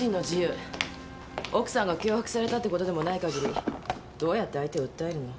奥さんが脅迫されたってことでもないかぎりどうやって相手を訴えるの？